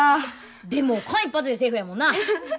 でも間一髪でセーフやもんな。